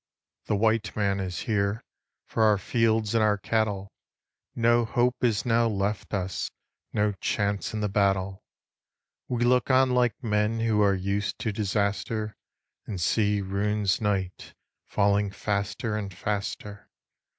The white man is here For our fields and our cattle; No hope is now left us No chance in the battle. We look on like men Who are used to disaster, And see ruin's night Falling faster and faster.